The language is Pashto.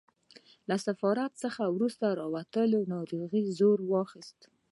له سفارت څخه له راوتلو وروسته ناروغۍ زور واخیست.